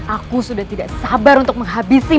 aku sudah tidak sabar untuk menghabisi